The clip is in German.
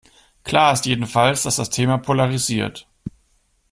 Klar ist jedenfalls, dass das Thema polarisiert.